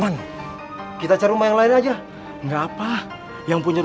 pasti bacteria itu sampe ke mobil nih pas ngasur ngasur